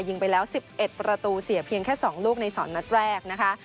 ยิงไปแล้ว๑๑ประตูเสียเพียงแค่๒ลูกใน๒นัดแรกนะคะ